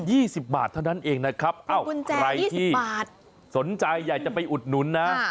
สิบบาทเท่านั้นเองนะครับเอ้าใครที่สนใจอยากจะไปอุดหนุนนะ